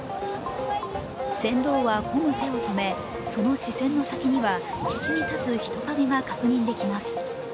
船頭はこぐ手を止め、その視線の先には岸に立つ人影が確認できます。